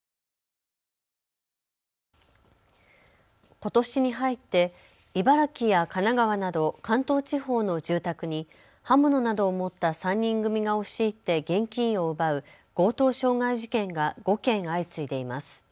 ことしに入って茨城や神奈川など関東地方の住宅に刃物などを持った３人組が押し入って現金を奪う強盗傷害事件が５件相次いでいます。